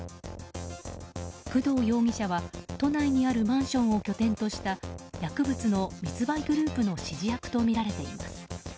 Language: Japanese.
工藤容疑者は、都内にあるマンションを拠点とした薬物の密売グループの指示役とみられています。